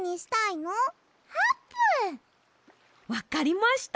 わかりました。